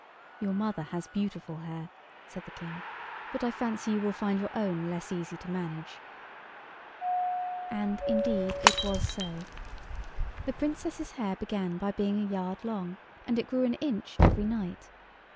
"Your mother has beautiful hair," said the King; "but I fancy you will find your own less easy to manage." And, indeed, it was so. The Princess's hair began by being a yard long, and it grew an inch every night.